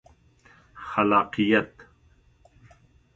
خلاقیت